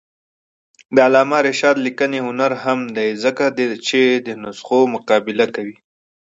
د علامه رشاد لیکنی هنر مهم دی ځکه چې نسخو مقابله کوي.